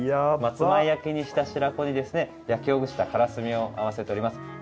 松前焼きにした白子にですね焼きほぐしたからすみをあわせております。